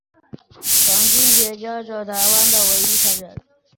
常中天现今在台湾唯一传人。